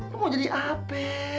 lo mau jadi apa